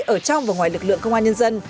ở trong và ngoài lực lượng công an nhân dân